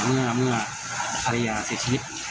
ต้องบอกว่าเมื่อภรรยาเสียชีพ